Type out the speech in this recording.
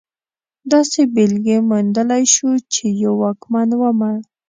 داسې بېلګې موندلی شو چې یو واکمن ومړ.